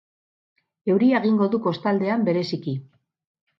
Euria egingo du kostaldean bereziki.